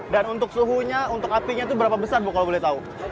dan untuk suhunya untuk apinya tuh berapa besar bu kalau boleh tahu